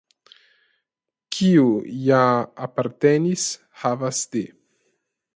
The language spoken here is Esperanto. Kiu ja apartenis havas de.